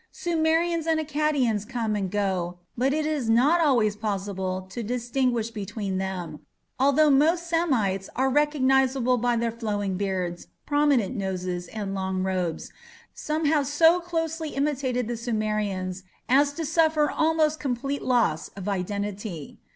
Sumerians and Akkadians come and go, but it is not always possible to distinguish between them. Although most Semites are recognizable by their flowing beards, prominent noses, and long robes, some have so closely imitated the Sumerians as to suffer almost complete loss of identity.